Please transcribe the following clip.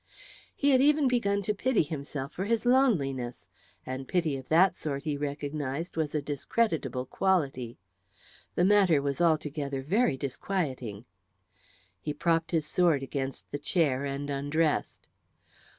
He had even begun to pity himself for his loneliness, and pity of that sort, he recognised, was a discreditable quality; the matter was altogether very disquieting. He propped his sword against the chair and undressed.